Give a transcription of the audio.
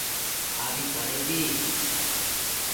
Abi tsadebi